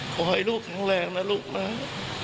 ขอให้ลูกแข็งแรงนะลูกนะ